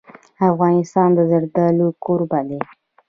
افغانستان د زردالو کوربه دی.